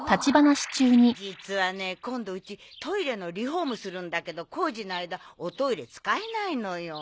実はね今度うちトイレのリフォームするんだけど工事の間おトイレ使えないのよ。